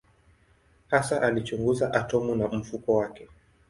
Hasa alichunguza atomu na mfumo wake.